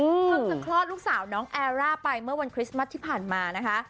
เพิ่งจะคลอดลูกสาวน้องแอร่าไปเมื่อวันคริสต์มัสที่ผ่านมานะคะ